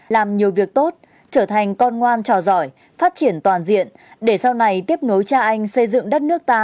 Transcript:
làm nhiều việc tốt trở thành con ngoan trò giỏi phát triển toàn diện để sau này tiếp nối cha anh xây dựng đất nước ta